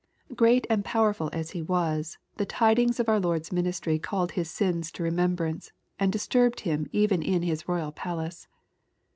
Great and powerfal as he was, the tidings of oiir Lord's min istry called his sins to remembrance, and disturbed him even in his royal palace.